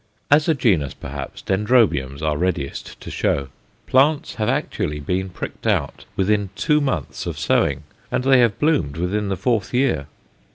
As a genus, perhaps, Dendrobiums are readiest to show. Plants have actually been "pricked out" within two months of sowing, and they have bloomed within the fourth year.